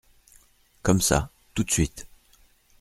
Comme Ca !… tout de suite !